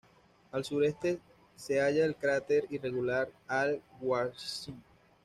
Al sureste se halla el cráter irregular Al-Khwarizmi.